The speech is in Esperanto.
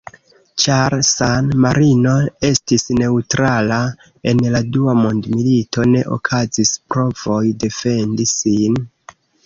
Ĉar San-Marino estis neŭtrala en la dua mondmilito, ne okazis provoj defendi sin.